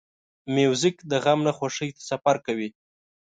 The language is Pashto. موزیک د غم نه خوښۍ ته سفر کوي.